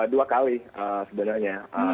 iya dua kali sebenarnya